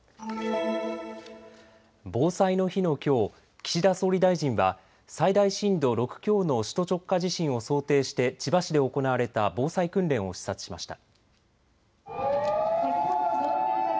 防災の日のきょう、岸田総理大臣は最大震度６強の首都直下地震を想定して千葉市で行われた防災訓練を視察しました。